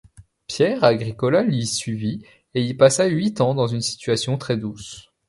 Pierre Agricola l'y suivit et y passa huit ans dans une situation très douce.